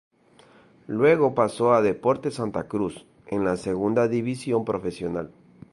Luego pasó a Deportes Santa Cruz en la Segunda División Profesional.